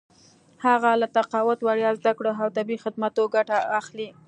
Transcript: هغوی له تقاعد، وړیا زده کړو او طبي خدمتونو ګټه اخلي.